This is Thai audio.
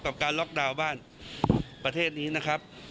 กับการล็อกดาวน์บ้านประเทศนี้นะครับ